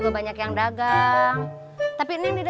katanya kamu ada karena di sini